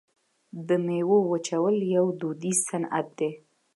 د میوو وچول یو دودیز صنعت دی.